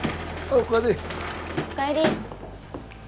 お帰り。